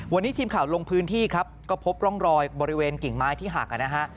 วันนี้ทีมข่าวลงพื้นที่ครับก็พบร่องรอยบริเวณกิ่งไม้ที่หักนะฮะ